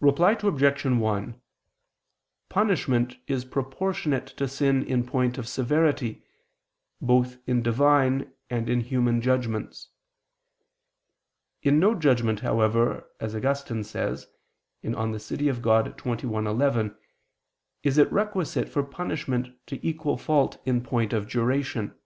Reply Obj. 1: Punishment is proportionate to sin in point of severity, both in Divine and in human judgments. In no judgment, however, as Augustine says (De Civ. Dei xxi, 11) is it requisite for punishment to equal fault in point of duration.